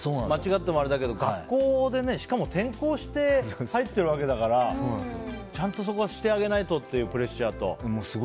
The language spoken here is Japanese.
間違ってもあれだけど学校でねしかも転校して入ってるわけだからちゃんと、そこはしてあげないとっていうプレッシャーと。